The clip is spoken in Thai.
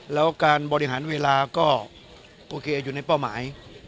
แล้วการบริหารเวลาก็โอเคอยู่ในเป้าหมาย